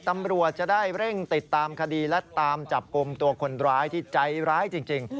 ตำรวจจะได้เร่งติดตามคดีและตามจับกลุ่มตัวคนร้ายที่ใจร้ายจริง